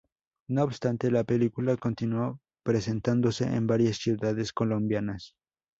No obstante, la película continuó presentándose en varias ciudades colombianas.